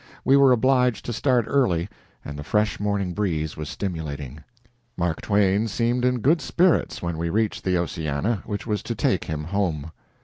We were obliged to start early, and the fresh morning breeze was stimulating. Mark Twain seemed in good spirits when we reached the "Oceana," which was to take him home.